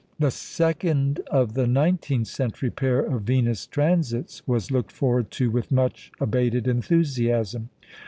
The second of the nineteenth century pair of Venus transits was looked forward to with much abated enthusiasm.